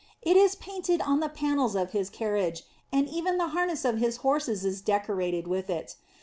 It is painted on the panels of his carriage, and even the har ness of his horses is decorated with it.